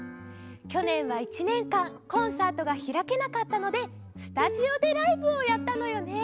きょねんは１ねんかんコンサートがひらけなかったのでスタジオでライブをやったのよね。